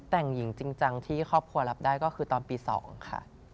แต่งหญิงจริงจังที่ครอบครัวรับได้ก็คือตอนปี๒ค่ะ